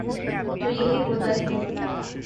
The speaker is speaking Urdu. تو یہی ہو تا رہے گا۔